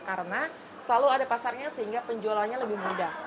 karena selalu ada pasarnya sehingga penjualannya lebih mudah